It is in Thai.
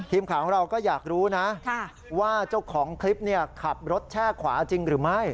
ทีมข่าวของเราก็อยากรู้นะว่าเจ้าของคลิปขับรถแช่ขวาจริงหรือไม่